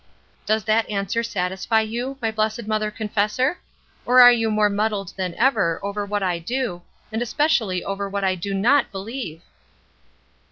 Does that answer satisfy you, my blessed mother confessor? or are you more muddled than ever over what I do, and especially over what I do not believe?"